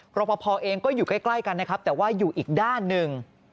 รอปภเองก็อยู่ใกล้กันนะครับแต่ว่าอยู่อีกด้านหนึ่ง